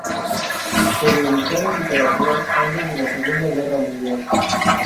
Se dedicó a la literatura antes de la Segunda Guerra Mundial.